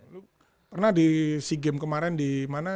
lo pernah di si game kemarin di mana